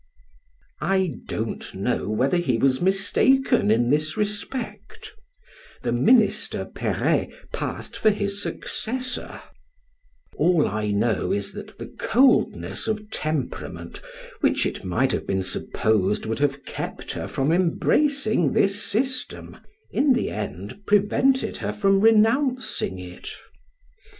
I don't know whether he was mistaken in this respect: the Minister Perret passed for his successor; all I know, is, that the coldness of temperament which it might have been supposed would have kept her from embracing this system, in the end prevented her from renouncing it.